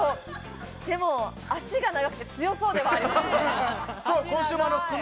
足が長くて、強そうではありますね。